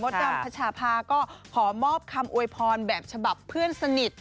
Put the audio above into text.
มดดำภรรยาภาพก็ขอมอบคำโอยพรแบบเคณผู้สนิท